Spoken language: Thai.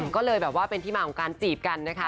ก็เลยแบบว่าเป็นที่มาของการจีบกันนะคะ